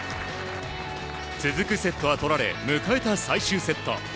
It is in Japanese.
続くセットは取られ迎えた最終セット。